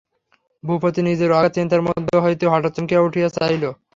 ভূপতি নিজের অগাধ চিন্তার মধ্যে হইতে হঠাৎ চমকিয়া উঠিয়া চাহিল।